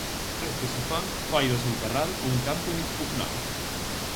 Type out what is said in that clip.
Este Sofán fai do seu Carral un campo inexpugnable.